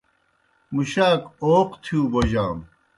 مُشاک اوق تِھیؤ بوجانوْ۔